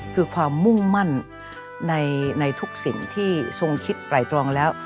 คือความมุ่งมั่นในทุกสิ่งที่ทรงคิดไตรตรองแล้ว